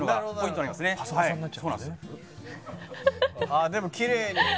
ああでもきれいに。